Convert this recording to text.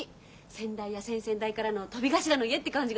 先代や先々代からのトビ頭の家って感じがするもん。